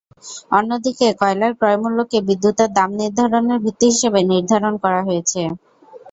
অন্যদিকে কয়লার ক্রয়মূল্যকে বিদ্যুতের দাম নির্ধারণের ভিত্তি হিসেবে নির্ধারণ করা হয়েছে।